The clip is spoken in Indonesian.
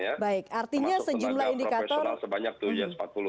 artinya sejumlah indikator